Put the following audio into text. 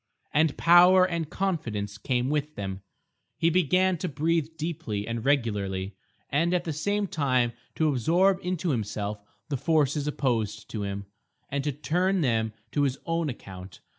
And power and confidence came with them. He began to breathe deeply and regularly, and at the same time to absorb into himself the forces opposed to him, and to turn them to his own account.